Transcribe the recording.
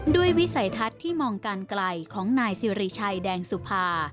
วิสัยทัศน์ที่มองการไกลของนายสิริชัยแดงสุภา